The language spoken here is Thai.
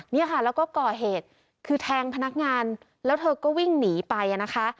เนี่ยค่ะแล้วก็ก่อเหตุคือแทงพนักงานแล้วเธอก็วิ่งหนีไปนะคะ